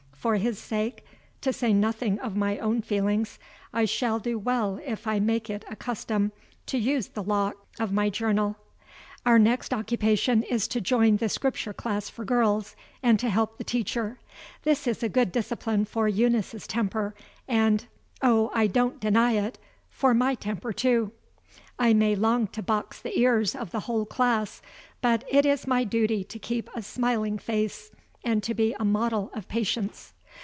For his sake, to say nothing of my own feelings, I shall do well if I make it a custom to use the lock of my journal. Our next occupation is to join the Scripture class for girls, and to help the teacher. This is a good discipline for Eunice's temper, and oh, I don't deny it! for my temper, too. I may long to box the ears of the whole class, but it is my duty to keep a smiling face and to be a model of patience.